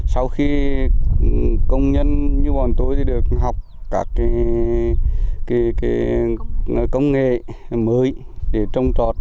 sau khi công nhân như bọn tôi được học các công nghệ mới để trồng trọt